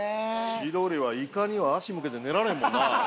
千鳥はイカには足向けて寝られへんもんな。